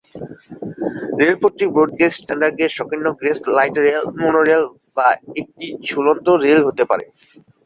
রেলপথটি broad gauge, standard gauge, সংকীর্ণ gauge, light rail, monorail, বা একটি ঝুলন্ত রেল হতে পারে।